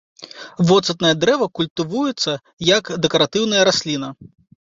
Воцатнае дрэва культывуецца як дэкаратыўная расліна.